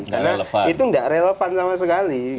karena itu nggak relevan sama sekali